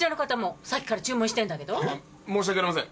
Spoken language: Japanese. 申し訳ありません。